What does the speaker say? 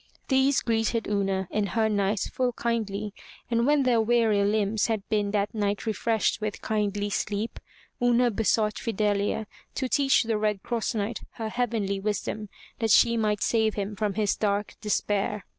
These greeted Una and her knight full kindly, and when their weary limbs had been that night refreshed with kindly sleep, Una besought Fidelia to teach the Red Cross Knight her heavenly wisdom that she might save him from his dark despair.